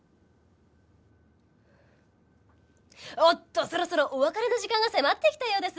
おっとそろそろお別れの時間が迫ってきたようです。